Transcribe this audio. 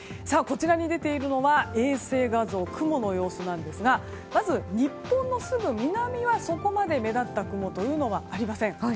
こちらに出ているのは衛星画像、雲の様子なんですがまず日本のすぐ南は、そこまで目立った雲はありません。